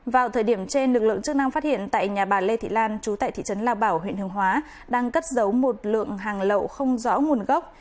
vào thời điểm trên lực lượng chức năng phát hiện tại nhà bà lê thị lan chú tại thị trấn lao bảo huyện hương hóa đang cất giấu một lượng hàng lậu không rõ nguồn gốc